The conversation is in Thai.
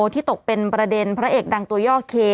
ที่ตกเป็นประเด็นพระเอกดังตัวย่อเค